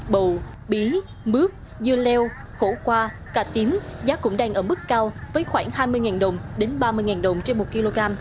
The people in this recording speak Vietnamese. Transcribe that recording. bầu bí mướp dưa leo khổ qua cà tín giá cũng đang ở mức cao với khoảng hai mươi đồng đến ba mươi đồng trên một kg